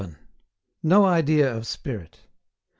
27. NO IDEA OF SPIRIT.